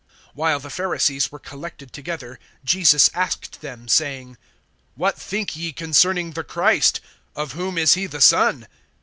(41)While the Pharisees were collected together, Jesus asked them, (42)saying: What think ye concerning the Christ? Of whom is he the son?